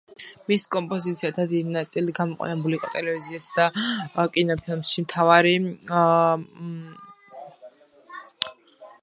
მის კომპოზიციათა დიდი ნაწილი გამოყენებული იყო ტელევიზიასა და კინოფილმებში, მრავალი მათგანი ჯაზის სტანდარტი გახდა.